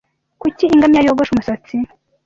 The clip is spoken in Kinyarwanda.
Kuki ingamiya yogosha umusatsi